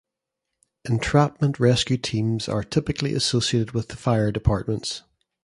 Entrapment rescue teams are typically associated with fire departments.